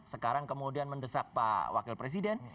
sekarang kemudian mendesak pak wakil presiden